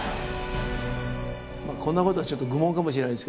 こんなことはちょっと愚問かもしれないです